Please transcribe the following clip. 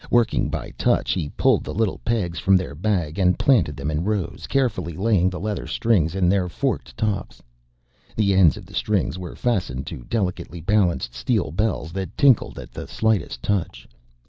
Working by touch he pulled the little pegs from their bag and planted them in rows, carefully laying the leather strings in their forked tops. The ends of the strings were fastened to delicately balanced steel bells that tinkled at the slightest touch.